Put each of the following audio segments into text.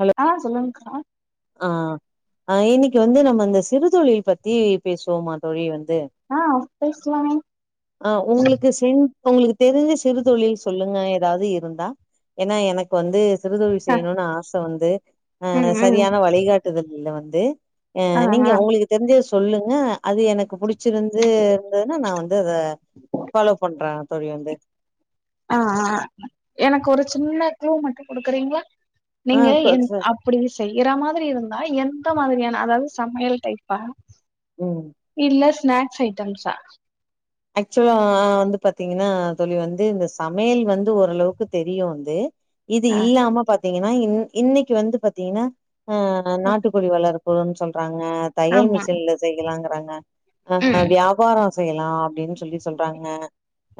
Hello ஆ சொல்லுங்கக்கா ஆ அ இன்னைக்கு வந்து நம்ம இந்த சிறு தொழில் பத்தி பேசுவோமா தோழி வந் து ஆ பேசலாமே ஆ உங்ளுக்கு இஸ் தென் உங்களுக்கு தெரிஞ்ச சிறு தொழில் சொல்லுங்க எதாவது இருந்தா ஏன்னா எனக்கு வந்து சிறுதொழில் அ செய்யணும்னு ஆச வந்து ம் அஹ் சரி ம் வழிகாட்டுதல்ல வந்து ஆ அஹ் நீங்க ஆ உங்களுக்கு தெரிஞ்சத சொல்லுங்க அது எனக்கு புடிச்சிருந்து இருந்ததுன்னா நா வந்து அத ஃபாலோ பண்றே தோழி வந்து ஆஹ் ஆஹ் எனக்கு ஒரு சின்ன க்ளூ மட்டு கொடுக்குறீங்களா ஆ நீங்க கொ என் ச அப் அப்டி செய்யற மாதிரி இருந்தா எந்த மாதிரியான அதாவது சமையல் டைப்பா உம் இல்ல ஸ்நாக்ஸ் ஐட்டம்ஸா ஆக்சுவலா வந்து பாத்தீங்கன்னா தோழி வந்து இந்த சமையல் வந்து ஓரளவுக்கு தெரியு வந்து இது ஆ இல்லாம பாத்தீங்கன்னா இன் இன்னைக்கு வந்து பாத்தீங்கன்னா அஹ் நாட்டுக்கோழி வளரு போது சொல்றாங்க தையல் ஆமா மிஷின்ல செய்யலாங்கிறாங்க ஆஹ் ம் வியாபாரோ செய்யலா அப்டின்னு சொல்லி சொல்றாங்க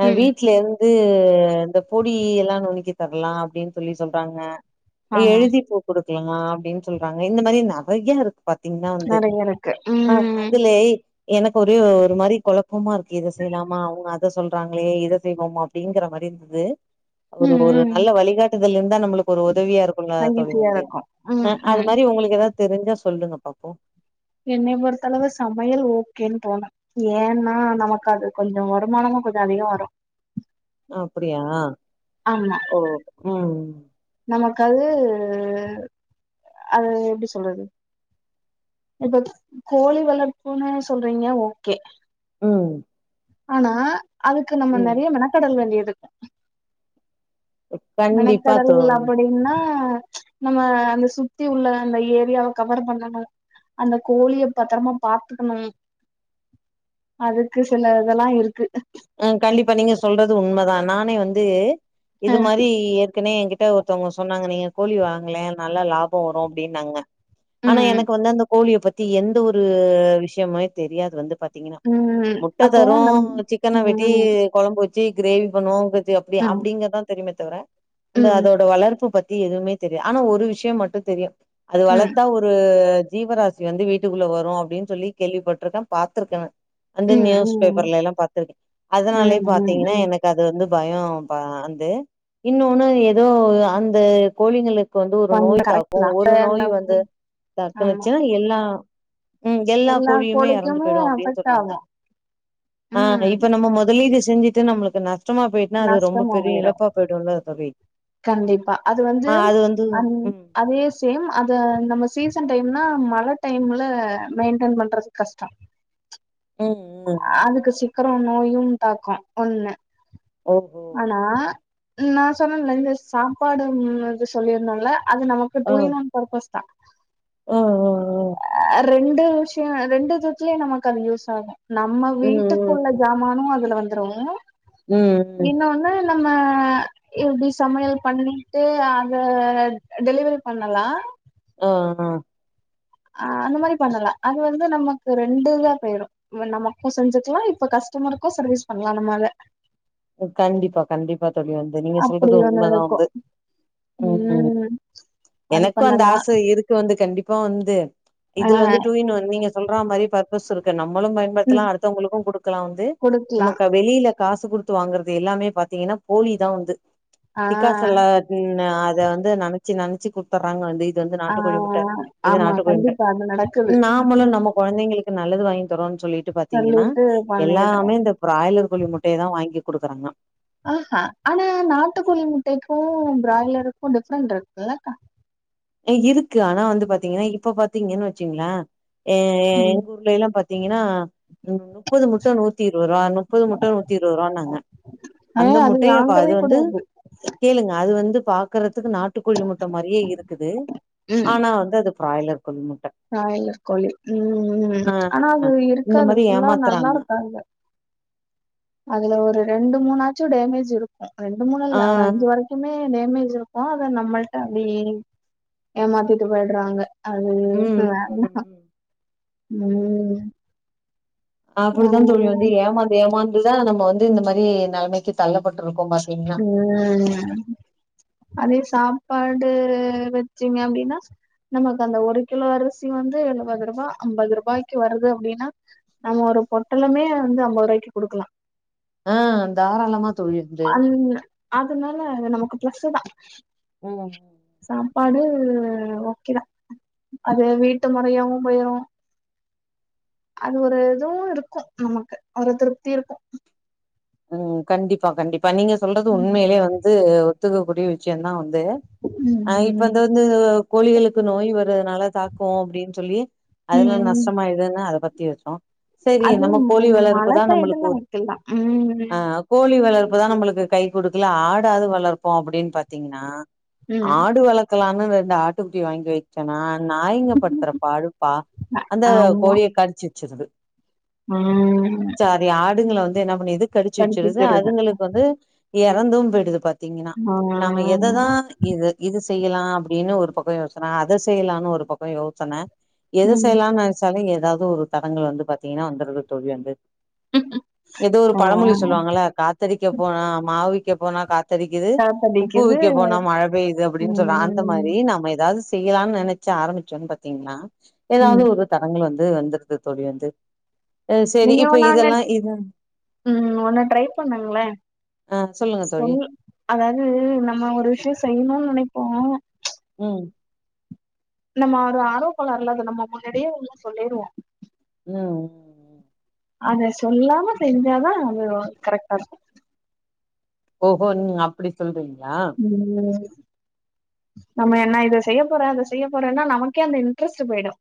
அஹ் ம் வீட் வீட்ல இருந்து இந்த பொடி எல்லா நுனுக்கி தரலா அப்டின்னு சொல்லி சொல்றாங்க ஆ எழுதி பூ கொடுக்கலா அப்டின்னு சொல்றாங்க இந்த மாரி நெறயா இருக் பாத்தீங்ன்னா வந்து நெறைய இருக்கு ஆஹ் ம் அதில எனக்கு ஒரே ஒரு மாரி கொழப்பமா இருக் இத செய்யலாமா அவுங்க அத சொல்றாங்களே இதை செய்வோமா அப்டிங்கிற மாரி இருந்தது ஒரு ம் ஒரு ம் நல்ல வழிகாட்டுதல் இருந்தா நம்மளுக்கு ஒரு உதவியா இருக்கும்ல்ல அதா தோழி ஈஸியா வந்து இருக்கு ம் அஹ் அது ம் மாரி உங்களுக்கு எதாவ்து தெரிஞ்சா சொல்லுங்க பாப்போ என்னய பொறுத்தளவு சமையல் ஓகேனு தோனு ஏன்னா நமக்கு அது கொஞ்சோ வருமானமு கொஞ்சோ அதிகமா வரு அப்டியா ஓ உம் நமக்கது அது எப்டி சொல்றது இப்ப கோழி வளர்ப்புன்னு சொல்றீங்க ஓகே ம் ஆனா அதுக்கு நம்ம ம் நெறய மெனக்கட வேண்டிய திருக்கு கண்டிப்பா மெணக்கடல் தோழி அப்டின்னா நம்ம அந்த சுத்தி உள்ள அந்த ஏரியாவ கவர் பண்ணணு அந்த கோழிய பத்ரமா பாத்துக்கணு அதுக்கு சில இதெல்லா இருக்கு ஹ கண்டிப்பா நீங்க சொல்றது உண்மதா நானே வந்து அ இது மாரி ஏர்க்கனே எ கிட்ட ஒருத்தவங்க சொன்னாங்க நீங்க கோழி வாங்கலெ நல்லா லாபோ வரு அப்டினாங்க ஆனா ம் எனக்கு வந்து அந்த கோழிய பத்தி எந்த ஒரு விஷயமுமே தெரியாது வந்து பாத் பாத்தீங்கனா ம் முட்ட அப்போ தரு நம் சிக் ன்னா வெட்டி ம் குழம்பு வச்சு கிரேவி பண்ணுவோ அப் ம் அப்டிங்கதா தெரியுமே தவிர அந்த ம் அதோட வளர்ப்பு பத்தி எதுவுமே தெரியாது ஆனா ஒரு விஷயோ மட்டு தெரியு அது ம் ம் வளர்த்தா ஒரு ஒரு ஜீவராசி வந்து வீட்டுக்குள்ள வரு அப்டின்னு சொல்லி கேள்விப்பட்ருக்கே பாத்துருக்கே அந்த நியூஸ் ம் பேப்பர்ல எல்லா பாத்திருக்கே அதனாலயே ம் ம் பாத்தீங்கன்னா ம் எனக் அது வந்து பயோ பா அந்து இன்னொன்னு ஏதோ அந்த கோழிங்களுக் இப்ப வந்து ஒரு பண்ண நோய் கரெக்ட் தாக்கு தா ஒரு நோய் வந்து ஆமா தாக்குனுச்சுன்னா எல்லா ம் எல்லா கோழியுமே எறந்து கோழிக்குமே போய்டு அப்டின்னு அஃபெக்ட் சொன்னாங்க ஆகு ஆஹ் ம் இப்ப நம்ம முதலீடு செஞ்சுட்டு நம்மளுக்கு நஷ்டமா போய்ட்டுனா அது ரொம்ப நஷ்டமா பெரிய போயிரு இழப்பா போய்டும்ல தோழி கண்டிப்பா அது வந்து ஆ அது வந்து அந் ம் அதே சேம் அத நம்ம சீசன் டைம்னா மழை டைம்ல மெயின்டென் பண்றது கஷ்ட ம் ம் ம் அதுக்கு சிக்கர நோயு தாக்கு ஒண்ணு ஓஹோ ஆனா ம் நா சொன்னேன்ல இந்த சாப்பாடும் சொல்லியிருந்தோம்ல அது நமக்கு டூ இன் ஒன் பர்பஸ்தா ம் ம் ம் ரெண்டு விஷய ரெண்டு விதத்துல நமக்கு அது யூஸ் ஆகு நம்ம ம் வீட்டுக்குள்ள ம் சமானு அதுல வந்துரும் ம் ம் ம் இன்னொன்னு நம்ம இப்டி சமையல் பண்ணிட்டு அத டெலிவரி பண்ணலா அ அ அந்த மாரி பண்ணலா அது வந்து நமக்கு ரெண்டு இதா பெய்ரு நமக்கும் செஞ்சுக்கலா இப்ப கஸ்டமருக்கு சர்வீஸ் பண்லா நம்மலே கண்டிப்பா கண்டிப்பா தோழி வந்து நீங்க அப்டி சொல்றது ஒண்ணு உண்மதா இருக்கு வந்து ம் ம் அது எனக்கும் அந்த பண்ணலா ஆச இருக்கு வந்து கண்டிப்பா வந்து ஆ இதுல வந்து டூ இன் ஒன் நீங்க சொல்றா மாரி பர்பஸ் இருக்கு நம்பளும் ம் பயன்படுத்தலா அடுத்தவுங்களுக்கு குடுக்கலா வந்து குடுக்கலா நமக்கு வெளில காசு குடுத்து வாங்கறது எல்லாமே பாத்தீங்கன்னா போலி தா வந்து ஆ டிக்காசன்ல்ல ம் அத வந்து நெனச்சு நெனச்சு கு தர்றாங்க வந்து இது வந்து ஆ நாட்டு கோழிமுட்ட இது ஆமா நாட்டு கோழிமட்ட கண்டிப்பா அது நடக்குது நாமலு ம் நம்ம கொழந்தைங்களுக்கு நல்லது வாங்கி தரோ சொல்லிட்டு பாத்தீங்கன்னா சொல்லிட்டு பண்ணிடுறோ எல்லாமே இந்த ப்ராய்லர் கோழி முட்டைய தா வாங்கி குடுக்குறாங்க அஹா ஆனா நாட்டு கோழி முட்டைக்கும் பிராய்லருக்கும் டிஃப்ரெண்ட்ருக்கு ஏ இருக்கு ஆனா வந்து பாத்தீங்கன்னா இப்ப பாத்தீங்கன்னு வச்சுங்கள எ ம் எங்க ஊர்ல எல்லா பாத்தீங்கன்னா ம் முப்பது முட்ட நூத்தி இருவதுருவா நுப்பது முட்டை நூத்தி இருவதுருவான்னாங்க ஆ அந்த அது முட்டையப்பா அது வாங்கவே வந்து கூடாது கேளுங்க அது வந்து பாக்குறத்துக்கு நாட்டுக்கோழி முட்ட மாரியே இருக்குது ஆனா வந்து அது பிராய்லர் கோழி முட்ட ப்ராய்லர் கோழி ம்ம் ஆ ஆனா அது இந்த இருக்காது மாரி ஃபுல்லா ஏமாத்துறாங்க நல்லாருக்காது அதுல ஒரு ரெண்டு மூனாச்சு டேமேஜ் இருக்கும் ரெண்டு ஆ மூனுல்ல ஒரு அஞ்சு வரைக் குமே டேமேஜ் இருக்கும் அத நம்மள்ட்ட அப்டி ஏமாத்திட்டு பேயிட்றாங்க அது ம் வேண்டா ம் ம் அப்டித்தா தோழி வந்து ம் ஏமாந்து ஏமாந்துதா நம்ம வந்து இந்த மாரி நெலமக்கி தள்ளப்பட்டுருக்கோ பா ம் அதே சாப்பாடு வச்சிங்க அப்டின்னா நமக்கு அந்த ஒரு கிலோ அரிசி வந்து எழுபது ருபா அம்பது ருபாய்க்கு வருது அப்டின்னா நம்ம ஒரு பொட்டலமே வந்து அம்பது ரூபாய்க்கு குடுக்கலா அ தாராளமா தோழி உண்டு அந் அதுனால நமக்கு ப்ளஸ்ஸுதா ம் சாப்பாடு ஓகேதா அது வீட்டு மொறையாவு போயிரு அது ஒரு இதுவு இருக்கும் நமக்கு ஒரு திருப்தி இருக்கும் ம் கண்டிப்பா கண்டிப்பா நீங்க சொல்றது ம் உண்மையிலே வந்து ஒத்துக்கக்கூடிய விஷயந்தா வந்து அ இப்ப ம் அந்த வந்து கோழிகளுக்கு நோய் வருவதுனால தாக்கும் அப்டின் சொல்லி அதுல ம் நஷ்டமாயிருதுன்னு அத பத்தி யோசிச்சோ அது மல சைடுலா வெக்கல்லா ம் அ கோழி வளர்ப்புதா நம்புளுக்கு கை குடுக்கல ஆடாது வளர்ப்போ அப்படின் பாத்தீங்ன்னா ம் ஆடு வளக்கலானு ரெண்டு ஆட்டுக்குட்டி வாங்கி வெ ச்சனா நாயிங்கப்படுத்துற பாடு பா அந்த ஆமா கோழிய கடிச்சு வெச்சிருது ம் நெறய ஆடுங்கள வந்து என்ன பண்ணிருது கடிச்சு வெச்சுருது கடிச்சிக்கிறது அதுங்களுக்கு வந்து எறந்தும் பேயிடுது பாத் தீங்னா ஆ நாம எததா இது இது செய்யலா அப்படின்னு ஒரு பக்க யோசன அத செய்யலானு ஒரு பக்க யோசன எத ம் செய்யலான் நென் ச்சாலு எதாவ்து ஒரு தடங்கள் வந்து பாத்தீங்கனா வந்துருது தோழி வந்து எதோ ஒரு ஆ பழமொழி சொல்லுவாங்கள காத்தடிக்க போனா மாவுவிக்க போனா காத் தடிக்குது உப்பு காத்தடிக்குது விக்க போனா மழ பெய்யுது அப்டின் சொல்றாங்க அந்த ம் மாரி நம்ம எதாது செய்யலான் நெனச்சு ஆரம்பிச்சோன் பத்தீங்கன்னா ஏதாவ்து ம் ஒரு தடங்கள் வந்து வந்துருது தோழி வந்து அஹ் சரி நீங்க இப்ப ஒன்னாங்கட் இதெல்லா இது ம் ஒண்ணு ட்ரை பண்ணுங்ளே ஆ சொல்லுங்க தோழி சொல் அதாது நம்ம ஒரு விஷயோ செய்யுணுன் நெனைப்போ ம் நம்ம ஒரு ஆர்வக்கோளாருல அத நம்ம முன்னாடியே எல்லா சொல்லிருவோ ம் அத சொல்லாம செஞ்சாதா அது கரெக்டா இருக்கு ஓஹோ நீங்க அப்படி சொல்றீங்ளா [unintelligible] நம்ம என்ன இத செய்ய போறே அத செய்ய போறேன்னா நமக்கே அந்த இன்ட்ரெஸ்டு போய்டு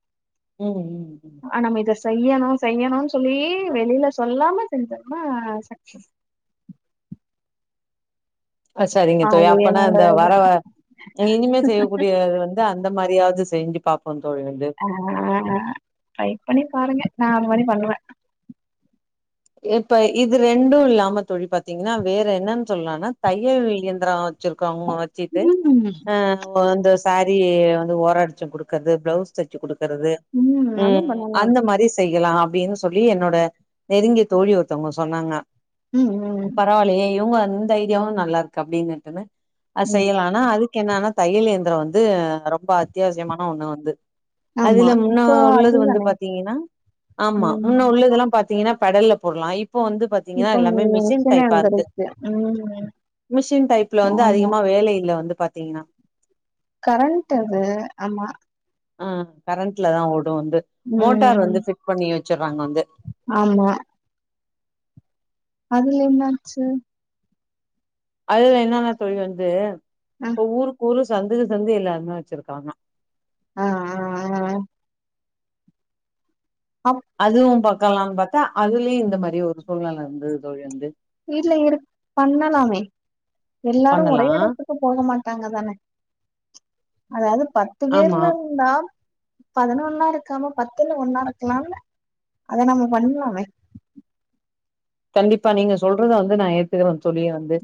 ம் ம் ம் ஆ நம்ம இத செய்யணு செய்யணுன் சொல்லி வெளில சொல்லாம செஞ்சோனா சக்சஸ் அ சரிங்க தோழி அது அப்பனா என்னோட இந்த வர இனிமே செய்யக்கூடியத வந் து அந்த மாரியாவ்து செஞ்சு பாப்போ தோழி வந்து ஆ ட்ரை பண்ணி பாருங்க நா அது மாரி பண்ணுவே இப்ப இது ரெண்டு இல்லாம தோழி பாத்தீங்னா வேற என்னன் சொல்லான்னா தையல் இயந்தரோ வச்சிருக்கவுங் வச்சிட்டு ம், அ ஒ இந்த சேரீ வந்து ஓரோ அடிச்சிக் குடுக்கற்து ப்ளௌஸ் தெச்சு குடுக்கறது அதுவும் ம் பண்ணலாம். அந்த மாரி செய்யலா அப்டின் சொல்லி என்னோட நெருங்கிய தோழி ஒருத்தவங்க சொன்னாங்க ம், ம், பரவாலயே இவுங்க இந்த ஐடியாவு நல்லா இருக்கு அப்டின்னிட்டுனு ஆ ம். செய்யலா னா அதுக்கு என்னன்னா தையல் இயந்திரோ வந்து ரொம்ப அத்தியாவசியமான ஒண்ணு வந்து ஆமா. அதுல முன்ன இப்போ உள்ளது வந்து அதுதானே. பாத்தீங்கனா ஆமா முன்ன ம். உள்ளதெல்லா பாத் தீங்னா பெடல்ல போடலா இப்போ வந்து பாத் இப்போ யோசனை வந்திருக்கு ம் மிஷின் டைப்ல வந்து ஆமா. அதிகமா வேலை இல்ல வந்து பாத்தீங்னா கரண்ட் அது ஆமா ஆ கரண்ட்லதா‌ ஓடு வந்து மோட்டார் ம். வந்து ஃபிட் பண்ணி வெச்சிற்றாங்க வந்து ஆமா அதுல என்ன ஆச்சு அதுல என்னனா தோழி வந்து அ, இப்போ ஊருக்கு ஊரு சந்துக்கு சந்து எல்லாருமே வெச்சிருக்காங்க ஆ ஆ ஆ‌ ஆ அப் அதுவு பாக்கலான் பாத்தா அதுலியு இந்த மாரி ஒரு சூழ்நில வந்துது தோழி வந்து இல்ல இரு பண்ணலாமே எல்லாரு ஒரே பண்ணலா எடத்து ட்டு போக மாட்டாங்க தான அதாவுது பத்து ஆமா பேர்ல இருந்தா பதினொன்னா இருக்காம பத்துல ஒண்ணா இருக்கலால அத நம்ம பண்லாமே கண்டிப்பா நீங்க சொல்றத வந்து நா ஏத்துக்கற தோழி வந்து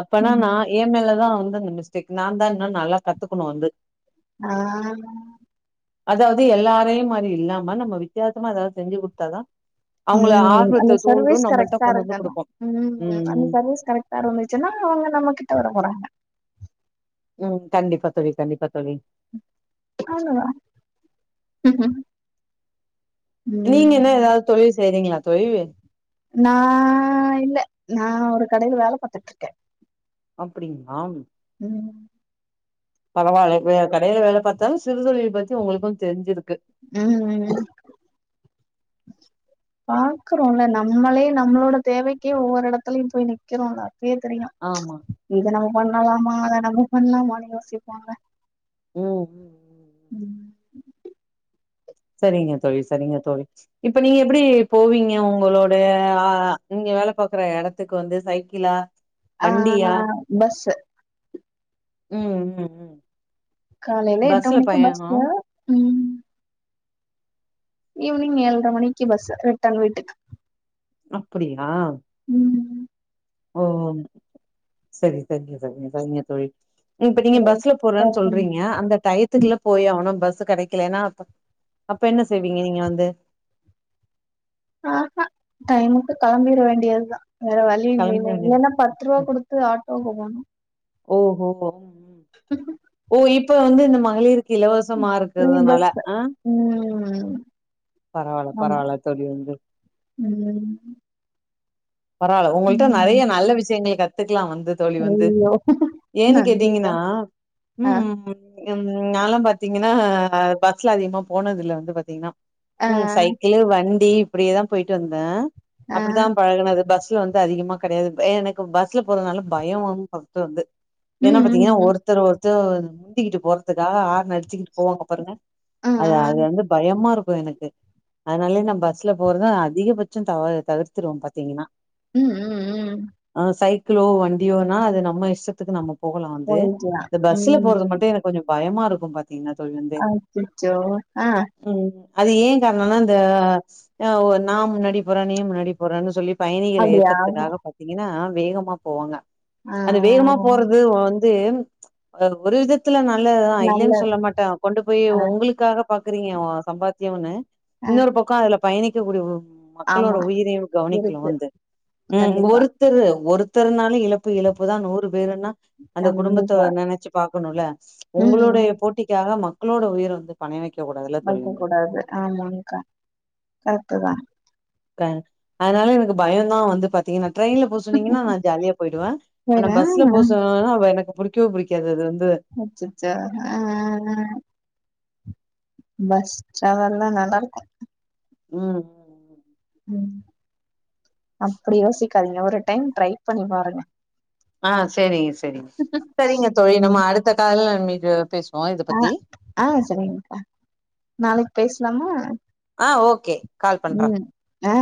அப்பனா நா ம். ஏமேல தா வந்து அந்த மிஸ் டேக் நா தா இன்னு நல்லா கத்துக்குணு வந்து ஆமா அதாவது எல்லாரையு மாரி இல்லாம நம்ம வித்யாசமா எதாவது செஞ்சி கொடுத்தாதா ம் அந்த சர்வேஸ் நம்மள்ட்ட கரெக்ட்டா கொண்டு வந்து இருக்கனு குடுப்பாங்க ம் அந்த சர்வே ஸ் கரெக்ட்டா இருந்துச்சுனா அவுங்க நம்ம கிட்ட வர போறாங்க ம் கண்டிப்பா தோழி கண்டிப்பா தோழி அவ்ளோ தா ம் ம் நீங்க என்ன எதாவுது தொழில் செய்யறீங்ளா தோழி நா இல்ல நா ஒரு கடைல வேல பாத்துட்ருக்க அப்டிங்ளா ம் பரவாயில்ல இப்ப கடைல வேல பாத்தாலு சிறு தொழில் பத்தி உங்களுக்கு தெரிஞ்சிருக்கு ம் ம் பாக்குறோல நம்மளே நம்மளோட தேவைக்கே ஒவ்வொரு எடத்துலயு போய் நிக்கறோல அப்பயே தெரியு ஆமா இத நம்ம பண்ணலாம அத நம்ம பண்லாமானு யோசிப்போல ம் ம் ம் சரிங்க தோழி சரிங்க தோழி இப்ப நீங்க எப்டி போவீங்க உங்களோட ஆ நீங்க வேல பாக்குற எடத் துக்கு வந்து சைக்கிளா ஆ நா வண்டியா பஸ்ஸு ம் ம் ம் காலைல எட்டு பஸ்ல மணிக்கு பயணோ பஸ்ல ம் ஈவினிங் ஏல்ற மணிக்கு பஸ்ஸு ரிட்டன் வீட்டுக்கு அப்படியா ம் ஓ செரி செரிங்க செரிங்க செரிங்க தோழி இப்ப நீங்க பஸ்ல போறன் ஒரு சொல்றீங்க அந்த டையத் துக்குள்ள போயே ஆவனு பஸ்ஸு கடைகலன்னா அப்ப அப்ப என்ன செய்வீங்க நீங்க வந்து ஆஹா டைமுக்கு கெளம்பிட வேண்டியதுதா வேற வழி கெளம்ப இல்லைல வேண்டியதா இல்லனா பத்து ரூவா குடுத் து ஆட்டோக்கு போணு ஓஹோஹோ ஓ இப்ப வந்து இந்த மகளிர் இலவசமா ஃப்ரீ இருகறதனால பஸ்ஸு ஆ ம் பரவால ஆமா பரவால தோழி உங்களுக் ம் பரவால்ல உங்கள்ட்ட நறைய ம் நல்ல விஷயங்கள் கத்துக்லா வந்து தோழி வந்து ஐயோ ஏன்னு நன்றிக்கா கேட்டீங்கன்னா ஆ ம் ம் ம் நாலா பாத்தீங்கன்னா பஸ்ல அதிகமா போனது இல்ல வந்து பாத்தீங்கன்னா ஆ ம் சைக்கிளு வண்டி இப்டியேதா போயிட்டு வந்த ஆ அப்படிதா பழகுனது பஸ்ல வந்து அதிகமா கடையாது எ எனக்கு பஸ்ல போறதுனால பயம் ஃபஸ்ட்டுல இருந்து என்ன ம் பாத்தீங்கன்னா ம் ம் ஒருத்தர ஒருத்தர் முந்திக்கிட்டு போறதுக்கா ஆர்ன அடிச்சிகிட்டு போவாங்க பாருங்க ஆ அது ஆ அது வந்து பயமா இருக்கு எனக்கு அதனாலயே நா பஸ்ல போறத அதிகபட்சோ தவ தவிர்த்துருவ பாத்தீங்ன்னா ம் ம் ம் ஆ சைக்கிளோ வண்டியோனா அது நம்ம இஷ்டத்துக்கு நம்ம போகலா வந்து போயிக்கலாம் இந்த பஸ்ல ம் போறது மட்டு எனக் கொஞ்சோ பயமா இருக்கு பாத்தீங்கன்னா தோழி வந்து அச்சச்சோ ஆ ம் அது ஏ காரணோனா இந்த நா முன்னாடி போற நீ முன்னாடி போறன்னு சொல்லி பயணிகள அப்டியா எத்தறத்துக்காக பாத்தீங்கன்னா வேகமா போவாங்க ஆ அது வேகமா போறது வந்து ஒரு விதத் துல நல்லதுதா நல்ல இல்லன்னு சொல்ல மாட்டே கொண்டு போயி ஆ உங்களுக்காக பாக்குறீங்க சம்பாத்தியோனு ஆ இன்னொர் பக்கோ அதுல பயணிக்க கூடிய மக்களோட ஆமா உயிரே கவனிக் இரு இருக்கு வந்து ம் கண்டிப்பா ஒருத்தரு ஒருத்தருனாலு இழப்பு இழப்புதா நூறு பேருன்னா அந்த குடும்பத்த கண்டிப்பா நெனச்சு பாக்குணுல ம் உங்களுடைய போட்டிக்காக மக்களோட உயிர் வந்து பனையவக்க கூடாதுல்ல தோழி வைக்க வந்து கூடாது ஆமாக்கா கரெக்ட்டு தா அதனால எனக்கு பயோ தா வந்து பாத்தீங்கன்னா ட்ரெயின்ல போ சொன்னீங்கன்னா நா ஜாலியா போயிடுவ ஆனா வேற பஸ்ல போ சொன்னீனா தா அது எனக்கு புடிக்கவே புடிக்காது அது வந்து அச்சச்சோ அ அ அ பஸ் டிராவல்லா நல்லா இருக்கு ம் ம் அப்டி யோசிக்காதீங்க ஒரு டைம் ட்ரை பண்ணி பாருங்க ஆ சேரிங்க சேரிங்க சரிங்க தோழி நம்ம ம் அடுத்த கால்ல மீட் பேசுவோ இத ஆ பத்தி ஆங் சரிங்கக்கா நாளைக் பேசலாமா ஆ ஓகே கால் பண்ற ம் ஆ